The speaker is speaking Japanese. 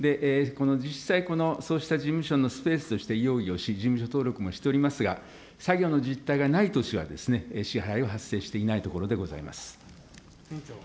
この実際このそうした事務所のスペースとして用意をし、事務所登録をしておりますが、作業の実態がない年は、支払いは発生していないところでございます。